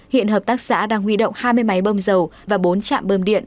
hiện hợp tác xã đang huy động hai mươi máy bơm dầu và bốn trạm bơm điện